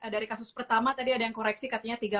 dari kasus pertama tadi ada yang koreksi katanya